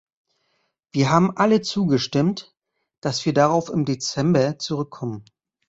Wir haben alle zugestimmt, dass wir darauf im Dezember zurückkommen.